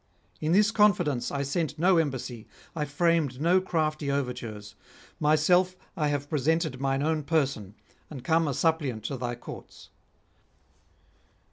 In this confidence I sent no embassy, I framed no crafty overtures; myself I have presented mine own person, and come a suppliant to thy courts.